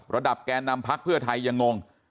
ระดับแกนนำภักดิ์เพื่อไทยยังงง